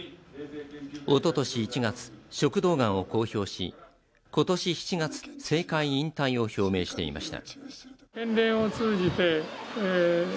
おととし１月、食道がんを公表し今年７月、政界引退を表明していました。